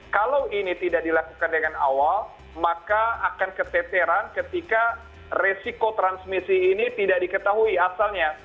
kalau ini tidak dilakukan dengan awal maka akan keteteran ketika resiko transmisi ini tidak diketahui asalnya